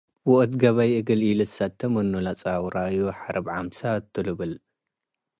ወእት ገበይ እግል ኢልትሰቴ ምኑ ለጻውራዩ፤ “ሐርብ ዐምሳት ቱ” ልብል ።